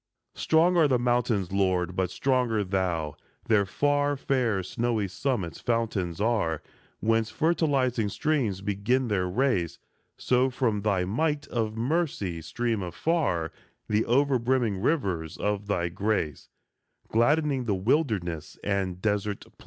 Strong are the mountains, Lord, but stronger thou ! Their far, fair snowy summits fountains are, Whence fertilizing streams begin their race ; So, from thy might of mercy stream afar The over brimming rivers of thy grace, Gladdening the wilderness and desert place.